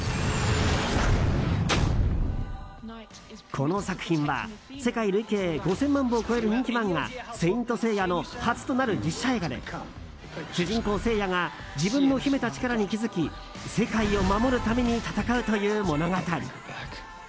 この作品は世界累計５０００万部を超える人気漫画「聖闘士星矢」の初となる実写映画で主人公・星矢が自分の秘めた力に気づき世界を守るために戦うという物語。